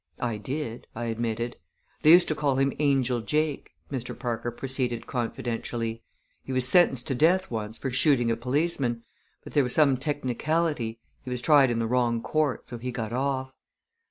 "I did," I admitted. "They used to call him Angel Jake," Mr. Parker proceeded confidentially. "He was sentenced to death once for shooting a policeman, but there was some technicality he was tried in the wrong court so he got off."